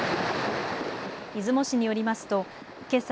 出雲市によりますとけさ